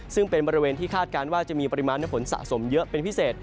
ซึ่งเป็นบริเวณที่คาดการณ์ว่าจะมีปริมาณฝนสะสมเยอะเป็นพิเศษ